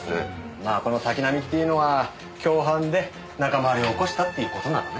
まあこの滝浪っていうのは共犯で仲間割れを起こしたっていう事ならね。